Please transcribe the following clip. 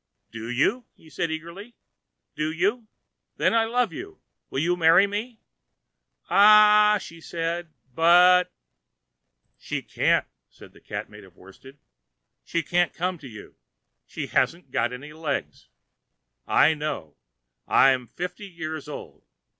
"Do you?" said he eagerly. "Do you? Then I love you. Will you marry me?" "Ah!" said she; "but—" "She can't!" said the Cat made of worsted. "She can't come to you. She hasn't got any legs. I know it. I'm fifty years old.